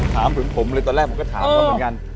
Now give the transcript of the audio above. ถามถึงผมเลยตอนแรกผมก็ถามเขาเหมือนกัน